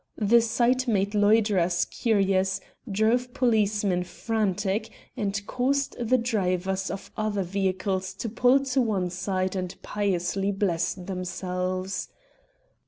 The sight made loiterers curious, drove policemen frantic, and caused the drivers of other vehicles to pull to one side and piously bless themselves.